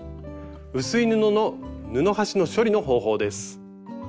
薄い布の布端の処理の方法です。